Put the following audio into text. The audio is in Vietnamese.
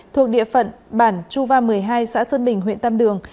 thuộc địa phận bản chuva một mươi hai xã sơn bình huyện tam đường